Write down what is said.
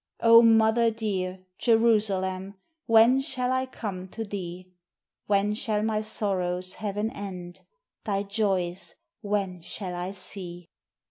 O mother dear! Jerusalem! When shall I come to thee? When shall my sorrows have an end, Thy joys when shall I see?